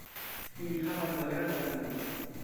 Ili havas malgrandan pinton.